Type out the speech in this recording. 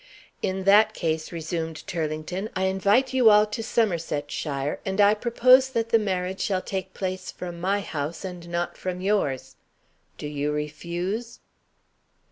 "In that case," resumed Turlington, "I invite you all to Somersetshire, and I propose that the marriage shall take place from my house, and not from yours. Do you refuse?"